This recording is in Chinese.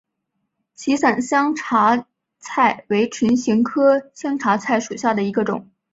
歧伞香茶菜为唇形科香茶菜属下的一个种。